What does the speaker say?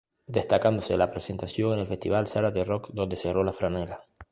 Destacándose la presentación en el festival Zárate Rock, donde cerró La Franela.